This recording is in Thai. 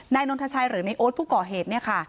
นนทชัยหรือในโอ๊ตผู้ก่อเหตุเนี่ยค่ะ